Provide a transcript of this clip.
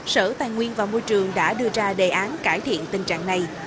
sở tài nguyên và môi trường đã đưa ra đề án cải thiện tình trạng này